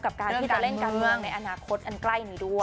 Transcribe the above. กับการที่จะเล่นการเมืองในอนาคตอันใกล้นี้ด้วย